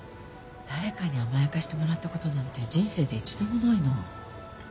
誰かに甘やかしてもらったことなんて人生で一度もないな。